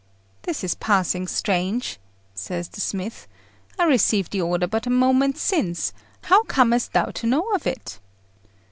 "This is passing strange," says the smith. "I received the order but a moment since; how comest thou to know of it?"